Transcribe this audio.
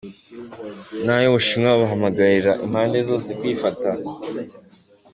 Nayo Ubushinwa buhamagarira impande zose kwifata.